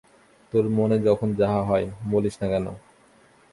তাের মনে যখন যাহা হয়, বলিস না কেন?